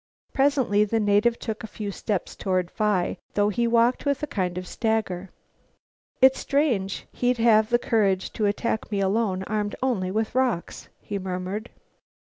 Presently the native took a few steps forward. Phi thought he walked with a kind of stagger. "It's strange he'd have the courage to attack me alone, armed only with rocks," he murmured.